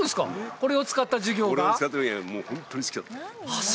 これを使った時がホントに好きだったあっ